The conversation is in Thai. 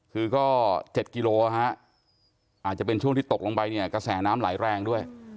คือก็๗กิโลฮะอาจจะเป็นช่วงที่ตกลงไปเนี่ยกระแสน้ำไหลแรงด้วย